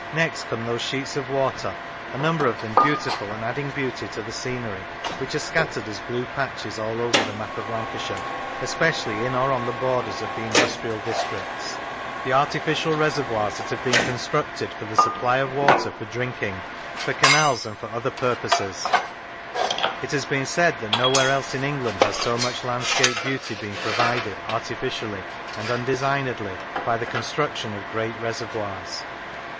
Next come those sheets of water, a number of them beautiful and adding beauty to the scenery, which are scattered as blue patches all over the map of Lancashire, especially in or on the borders of the industrial districts: the artificial reservoirs that have been constructed for the supply of water for drinking, for canals, and for other 139 Lancashire purposes. It has been said that nowhere else in England has so much landscape beauty been provided, artificially and undesignedly, by the construction of great reservoirs.